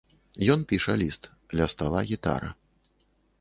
Ён піша ліст, ля стала гітара.